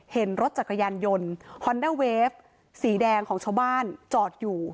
เห็นรถจักรยานยนต์ฮอนเดอร์เวฟสีแดงของชาวบ้านจอดอยู่